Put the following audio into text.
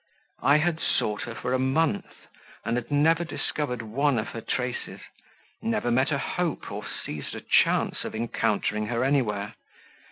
I had sought her for a month, and had never discovered one of her traces never met a hope, or seized a chance of encountering her anywhere.